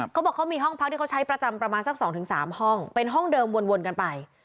เขาบอกเขามีห้องพักที่เขาใช้ประจำประมาณสัก๒๓ห้องเป็นห้องเดิมวนกันไป